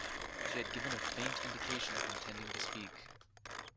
She had given a faint indication of intending to speak.